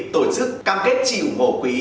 tổ chức cam kết chỉ ủng hộ quý